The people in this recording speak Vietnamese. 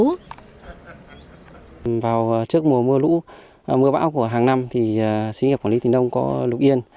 vào trước mùa mưa lũ mưa bão của hàng năm thì sĩ nghiệp quản lý tỉnh đông có lục yên